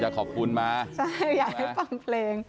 อยากให้ฟังเพลง